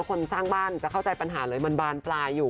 คนสร้างบ้านจะเข้าใจปัญหาเลยมันบานปลายอยู่